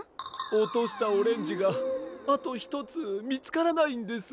おとしたオレンジがあとひとつみつからないんです。